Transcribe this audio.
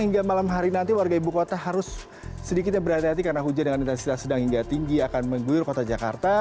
hingga malam hari nanti warga ibu kota harus sedikit berhati hati karena hujan dengan intensitas sedang hingga tinggi akan mengguyur kota jakarta